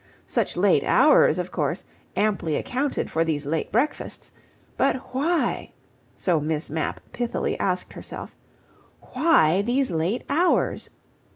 Such late hours, of course, amply accounted for these late breakfasts; but why, so Miss Mapp pithily asked herself, why these late hours?